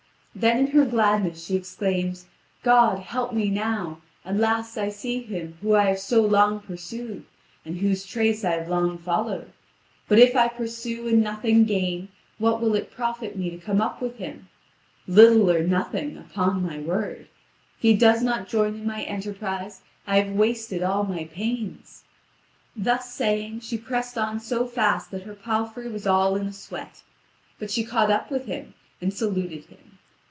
Then in her gladness she exclaims: "God, help me now. At last I see him whom I have so long pursued, and whose trace I have long followed. But if I pursue and nothing gain, what will it profit me to come up with him? Little or nothing, upon my word. If he does not join in my enterprise, I have wasted all my pains." Thus saying, she pressed on so fast that her palfrey was all in a sweat; but she caught up with him and saluted him.